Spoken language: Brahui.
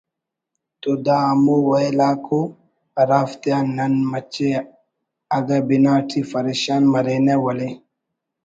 تو دا ہمو ویل آک ءُ ہرافتیان نن مچے اگہ بنا ٹی فریشان مرینہ ولے